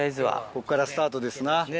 こっからスタートですな。